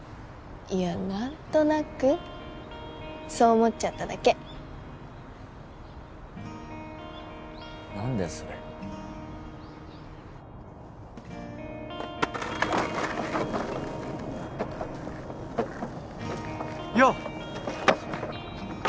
いや何となくそう思っちゃっただけ何だよそれよう！